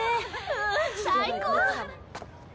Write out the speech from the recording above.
うん最高！